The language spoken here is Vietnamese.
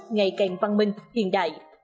ngày càng văn minh hiện đại